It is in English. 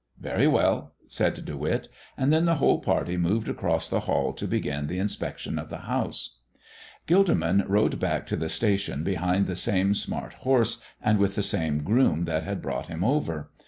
"Very well," said De Witt. And then the whole party moved across the hall to begin the inspection of the house. Gilderman rode back to the station behind the same smart horse, and with the same groom that had brought him over.